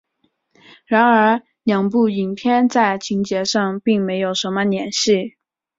然而两部影片在情节上并没有什么联系。